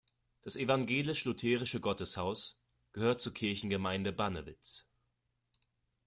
Das Evangelisch-lutherische Gotteshaus gehört zur Kirchgemeinde Bannewitz.